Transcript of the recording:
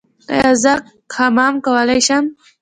ایا زه حمام کولی شم؟